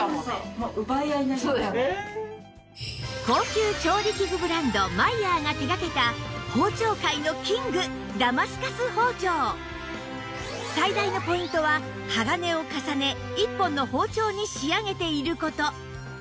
高級調理器具ブランドマイヤーが手がけた包丁界のキングダマスカス包丁最大のポイントは鋼を重ね１本の包丁に仕上げている事